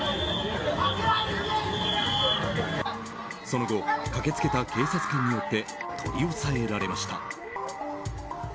その後駆け付けた警察官によって取り押さえられました。